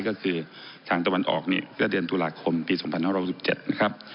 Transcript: ก็คือทางตะวันออกเนี่ยเมื่อเดือนตุลาคมปี๒๕๖๗นะครับ